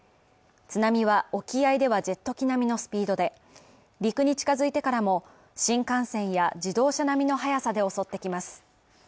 津波は沖合ではジェット機並みのスピードで陸に近づいてからも、新幹線や自動車並みの速さで襲ってきます。